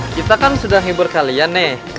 kita kan sudah hibur kalian nih